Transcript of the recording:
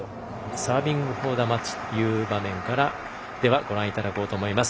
サービングフォーザマッチという場面からご覧いただきます。